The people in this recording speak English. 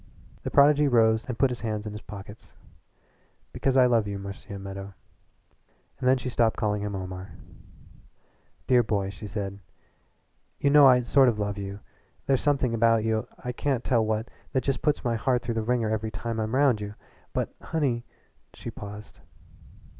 The prodigy rose and put his hands in his pockets. "Because I love you, Marcia Meadow." And then she stopped calling him Omar. "Dear boy," she said, "you know I sort of love you. There's something about you I can't tell what that just puts my heart through the wringer every time I'm round you. But honey " She paused.